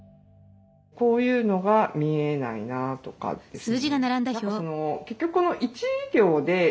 こういうのが見えないなとかですね。